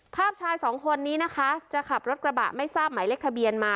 ภาพชายสองคนนี้นะคะจะขับรถกระบะไม่ทราบหมายเลขทะเบียนมา